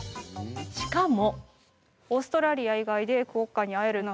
しかも。